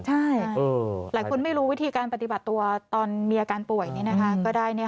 ใช่หลายคนไม่รู้วิธีการปฏิบัติตัวตอนมีอาการป่วย